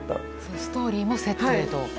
ストーリーもセットでと。